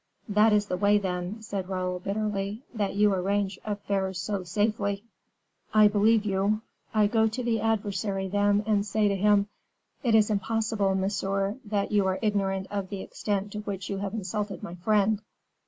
"That is the way, then," said Raoul, bitterly, "that you arrange affairs so safely." "I believe you. I go to the adversary, then, and say to him: 'It is impossible, monsieur, that you are ignorant of the extent to which you have insulted my friend.